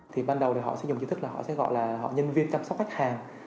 thì ban đầu thì họ sẽ dùng chính thức là họ sẽ gọi là họ nhân viên chăm sóc khách hàng